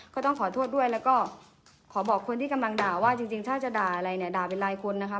ก็ต้องขอโทษด้วยแล้วก็ขอบอกคนที่กำลังด่าว่าจริงถ้าจะด่าอะไรเนี่ยด่าเป็นรายคนนะคะ